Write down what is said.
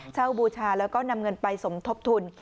บูชาแล้วก็นำเงินไปสมทบทุน